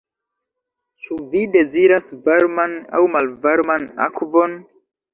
Ĉu vi deziras varman aŭ malvarman akvon?